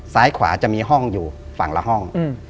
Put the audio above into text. ซ้ายขวาจะมีห้องอยู่ฝั่งละห้อง